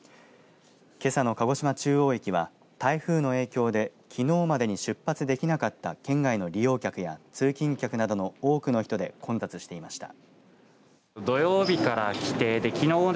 けさの鹿児島中央駅は台風の影響できのうまでに出発できなかった県外の利用客や通勤客などの多くの人で混雑していました。